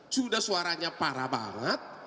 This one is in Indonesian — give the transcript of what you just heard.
sudah suaranya parah banget